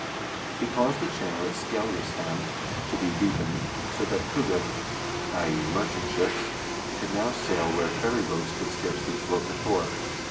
He caused the channel at Skeljastein to be deepened, so that kuggr (i.e. merchant ships) now could sail where ferry boats could scarcely float before.